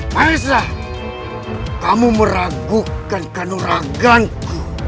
maesah kamu meragukan kanuraganku